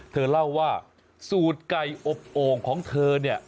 เธอเล่าว่าสูตรไก่อบโอ่งของเธอเนี่ย